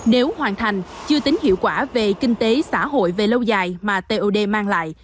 nếu hoàn thành chưa tính hiệu quả về kinh tế xã hội về lâu dài mà tod mang lại